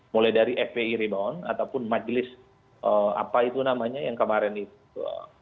mulai dari fpi rebound ataupun majelis apa itu namanya yang kemarin itu